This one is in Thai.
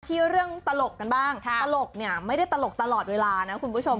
ที่เรื่องตลกกันบ้างตลกเนี่ยไม่ได้ตลกตลอดเวลานะคุณผู้ชม